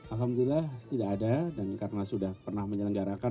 alhamdulillah tidak ada dan karena sudah pernah menyelenggarakan